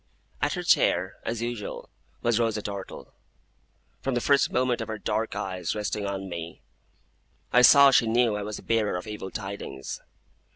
At her chair, as usual, was Rosa Dartle. From the first moment of her dark eyes resting on me, I saw she knew I was the bearer of evil tidings.